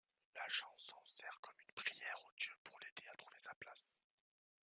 La chanson sert comme une prière aux dieux pour l'aider à trouver sa place.